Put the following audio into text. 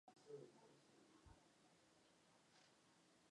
缺瓣重楼是黑药花科重楼属的变种。